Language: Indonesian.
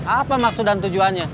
apa maksud dan tujuannya